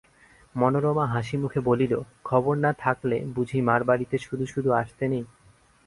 মনোরমা হাসিমুখে বলিল, খবর না থাকলে বুঝি মার বাড়িতে শুধু শুধু আসতে নেই?